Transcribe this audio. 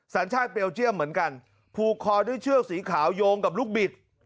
สัญชาติเบลเจียมเหมือนกันผูกคอด้วยเชือกสีขาวโยงกับลูกบิด